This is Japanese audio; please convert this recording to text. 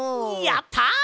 やった！